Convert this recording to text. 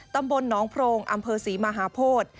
ตำบลหนองโพรงอำเภอศรีมหาโพธิ